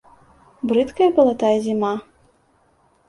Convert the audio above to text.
Брыдкая была тая зіма!